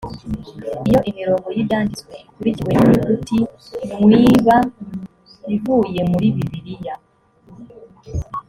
iyo imirongo y ibyanditswe ikurikiwe n inyuguti nw iba ivuye muri bibiliya